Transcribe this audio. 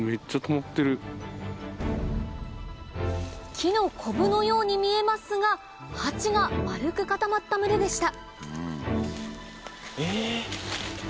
木のこぶのように見えますが蜂が丸く固まった群れでした